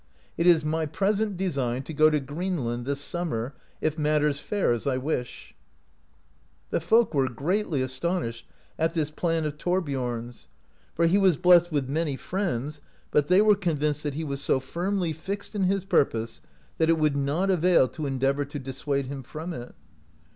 It is my pres ent design to go to Greenland this summer, if matters fare as I wish," The folk w^ere grertly astonished at this plan of Tliorbiorn's, for he w^as blessed with many friends, but they were convinced that he was so firmly fixed in his purpose that it would not avail to aideavour to dissuade him from it.